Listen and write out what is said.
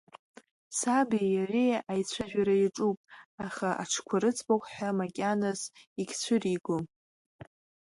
Саби иареи аицәажәара иаҿуп, аха аҽқәа рыӡбахә ҳәа макьаназ егьцәыригом.